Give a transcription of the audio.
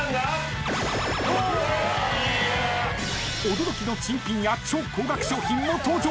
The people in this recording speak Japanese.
［驚きの珍品や超高額商品も登場］